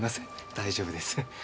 大丈夫です。